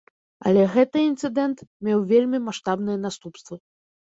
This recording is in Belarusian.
Але гэты інцыдэнт меў вельмі маштабныя наступствы.